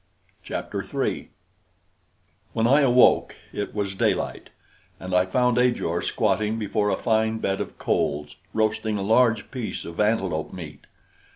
Chapter 3 When I awoke, it was daylight, and I found Ajor squatting before a fine bed of coals roasting a large piece of antelope meat.